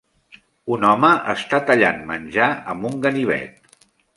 Un home està tallant menjar amb un ganivet